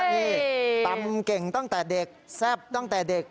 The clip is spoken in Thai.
นี่ตำเก่งตั้งแต่เด็กแซ่บตั้งแต่เด็ก